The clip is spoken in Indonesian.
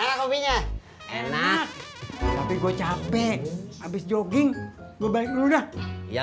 karena kopinya enak tapi gue capek habis jogging gue balik dulu dah ya